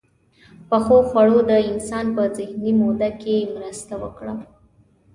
• پخو خوړو د انسان په ذهني وده کې مرسته وکړه.